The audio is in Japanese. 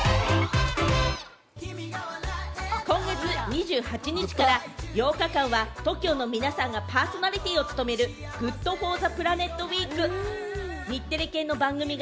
今月２８日から８日間、ＴＯＫＩＯの皆さんがパーソナリティーを務めるＧｏｏｄＦｏｒＴｈｅＰｌａｎｅｔウィーク。